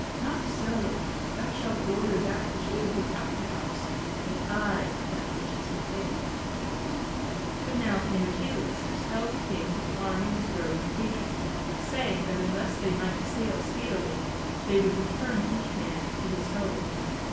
"Not so; thou shalt order that which is without the house, but I that which is within." But now came Achilles, to tell the King that the army was growing impatient, saying, that unless they might sail speedily, they would return each man to his home.